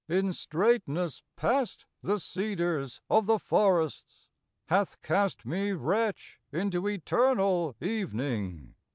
In straightnes past the Cedars of the forrests , Hath cast me wretch into eternall evening.